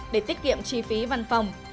để tiết kiệm chi phí văn phòng